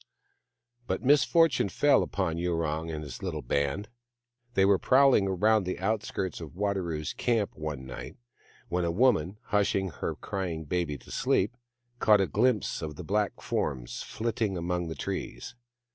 But misfortune fell upon Yurong and his little band. They were prowling round the outskirts of Wadaro's camp one night when a woman, hush ing her crying baby to sleep, caught a glimpse of the black forms flitting among the trees.